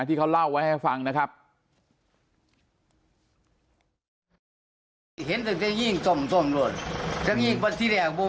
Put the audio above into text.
ที่เขาเล่าไว้ให้ฟังนะครับ